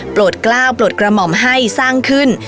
กล้าวโปรดกระหม่อมให้สร้างขึ้น